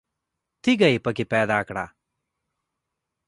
تیږه یې په کې پیدا کړه.